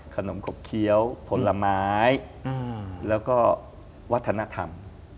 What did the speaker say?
ขมกบเคี้ยวผลไม้แล้วก็วัฒนธรรม